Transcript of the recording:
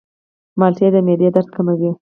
مالټې د معدې درد کموي.